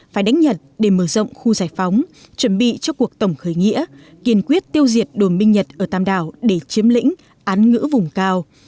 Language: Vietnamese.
phải đánh nhật để mở rộng khu giải phóng chuẩn bị cho cuộc tổng khởi nghĩa kiên quyết tiêu diệt đồn binh nhật ở tàm đảo để chiếm lĩnh án ngữ vùng cao